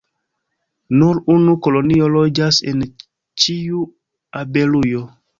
Nur unu kolonio loĝas en ĉiu abelujo.